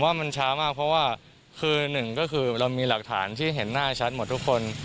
ว่ามันช้ามากเพราะว่าคือหนึ่งก็คือเรามีหลักฐานที่เห็นหน้าชัดหมดทุกคน